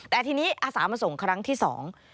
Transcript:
แต่ทีนี้อาสามาส่งครั้งที่สอง